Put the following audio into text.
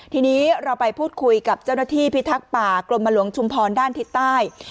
ทีนี้เราไปพูดคุยกับเจ้าหน้าที่พิทักษ์ป่ากรมหลวงชุมพรด้านทิศใต้